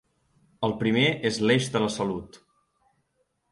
El primer és l’eix de la salut.